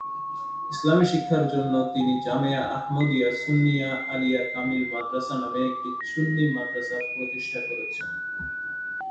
ইসলামী শিক্ষার জন্য তিনি জামেয়া আহমদিয়া সুন্নিয়া আলিয়া কামিল মাদ্রাসা নামে একটি সুন্নি মাদ্রাসা প্রতিষ্ঠা করেছেন।